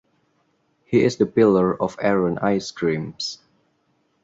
He is the pillar of Arun Ice Creams.